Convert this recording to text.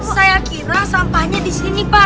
saya kira sampahnya disini pak